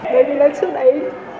bởi vì là trước đấy